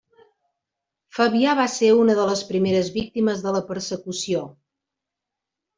Fabià va ser una de les primeres víctimes de la persecució.